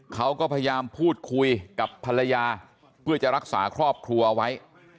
เขาก็พยายามพูดคุยกับภรรยาเพื่อจะรักษาครอบครัวเอาไว้